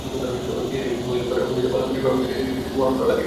বিহারী কহিল, মহিনদা, ভালো করিয়া ভাবিয়া দেখো–এ কাজ কি বরাবর তোমার ভালো লাগিবে?